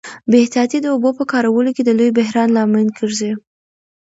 بې احتیاطي د اوبو په کارولو کي د لوی بحران لامل ګرځي.